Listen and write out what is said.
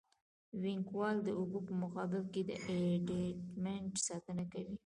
وینګ وال د اوبو په مقابل کې د ابټمنټ ساتنه کوي